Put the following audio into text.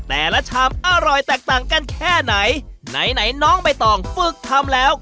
ชามอร่อยแตกต่างกันแค่ไหนไหนน้องใบตองฝึกทำแล้ว